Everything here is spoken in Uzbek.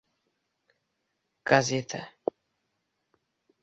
gazeta